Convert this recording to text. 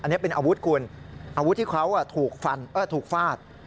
อันนี้เป็นอาวุธคุณอาวุธที่เขาถูกฟันถูกฟาด